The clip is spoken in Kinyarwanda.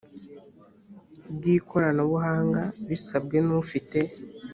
bw’ikoranabuhanga bisabwe n’ufite